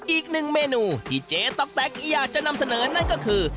อีกหนึ่งเมนูที่เจ๊ต๊อกแต๊กอยากจะนำเสนอนั่นก็คือ